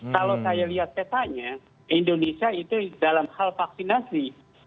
kalau saya lihat petanya indonesia itu dalam hal vaksinasi